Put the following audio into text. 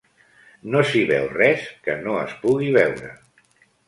No s'hi veu res que no es pugui veure.